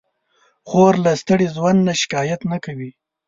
خور له ستړي ژوند نه شکایت نه کوي.